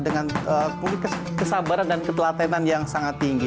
dengan kesabaran dan ketelatenan yang sangat tinggi